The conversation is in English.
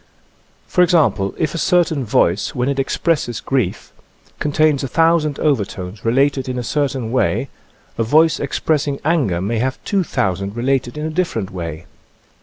For example, if a certain voice, when it ex presses grief, contains 1,000 overtones related in a certain way, a voice expressing anger may have 2,000 related in a different way.